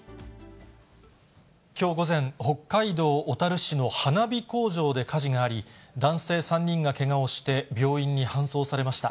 きょう午前、北海道小樽市の花火工場で火事があり、男性３人がけがをして、病院に搬送されました。